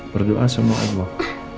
berdoa sama allah